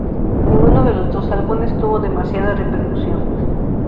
Ninguno de los dos álbumes tuvo demasiada repercusión.